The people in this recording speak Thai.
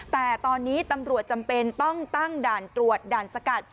แต่ตอนนี้ตำรวจจำเป็นต้องตั้งด่านตรวจด่านสกัด